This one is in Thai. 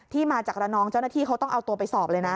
มาจากระนองเจ้าหน้าที่เขาต้องเอาตัวไปสอบเลยนะ